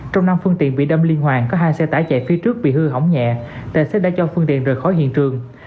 trong năm phương tiện bị đâm liên hoàn có hai xe tải chạy phía trước bị hư hỏng nhẹ tài xế đã cho phương tiện rời khỏi hiện trường